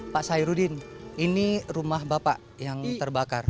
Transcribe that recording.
pak sairudin ini rumah bapak yang terbakar